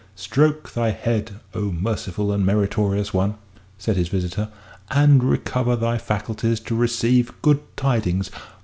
"Stroke thy head, O merciful and meritorious one," said his visitor, "and recover thy faculties to receive good tidings.